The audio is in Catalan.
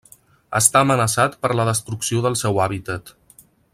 Està amenaçat per la destrucció del seu hàbitat.